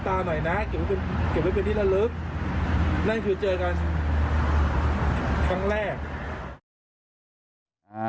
นั่นคือเจอกันครั้งแรก